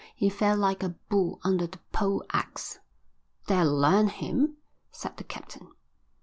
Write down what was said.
He fell like a bull under the pole axe. "That'll learn him," said the captain.